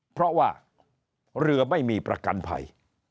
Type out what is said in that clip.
เพราะว่าเรือไม่มีประกันภัย